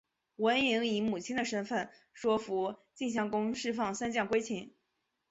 文嬴以母亲的身分说服晋襄公释放三将归秦。